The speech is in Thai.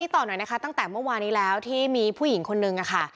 ต่อหน่อยนะคะตั้งแต่เมื่อวานนี้แล้วที่มีผู้หญิงคนนึงค่ะ